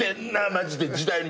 マジで時代に。